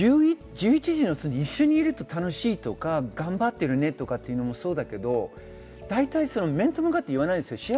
１１月に一緒にいると楽しいとか、頑張ってるねとか言うのもそうだけど、だいたい面と向かって言わないですよね。